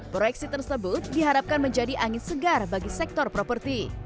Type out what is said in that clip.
proyeksi tersebut diharapkan menjadi angin segar bagi sektor properti